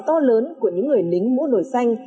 to lớn của những người lính mũ nổi xanh